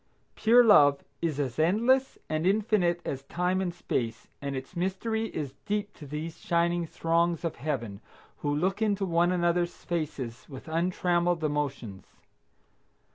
Pure love is as endless and infinite as time and space, and its mystery is deep to these shining throngs of Heaven who look into one another's faces with untrammeled emotions.